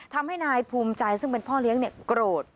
ทำให้นายภูมิใจซึ่งเป็นพ่อเลี้ยงโกรธ